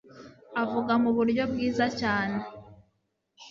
avuga mu buryo bwiza cyane